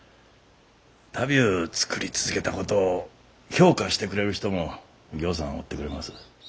足袋ゅう作り続けたことを評価してくれる人もぎょうさんおってくれます。